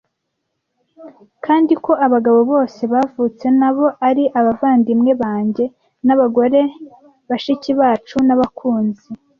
Kandi ko abagabo bose bavutse nabo ari abavandimwe banjye, nabagore bashiki bacu nabakunzi,